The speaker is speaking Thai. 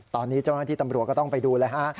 ตอนนี้เจ้าหน้าที่ตำรวจก็ต้องไปดูเลยฮะ